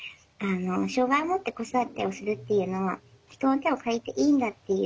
障害をもって子育てをするっていうのは人の手を借りていいんだっていう